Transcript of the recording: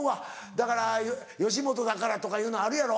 だから「吉本だから」とかいうのあるやろ？